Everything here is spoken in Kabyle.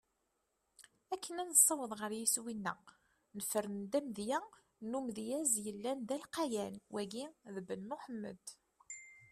Akken ad nessaweḍ ɣer yiswi-neɣ, nefren-d amedya n umedyaz yellan d alqayan: Wagi d Ben Muḥemmed.